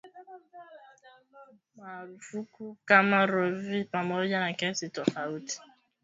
maarufu kama Roe v Wade pamoja na kesi tofauti